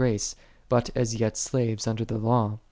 grace, but as yet slaves under the law.